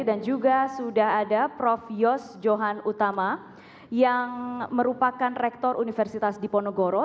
dan juga sudah ada prof yos johan utama yang merupakan rektor universitas diponegoro